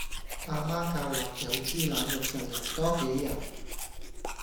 阿媽教落有豬腩肉就游多幾游